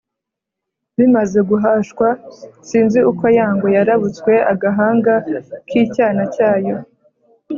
bimaze guhashwa, sinzi uko ya ngwe yarabutswe agahanga k'icyana cyayo